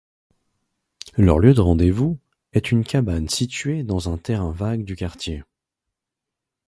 Leur lieu de rendez-vous est une cabane située dans un terrain vague du quartier.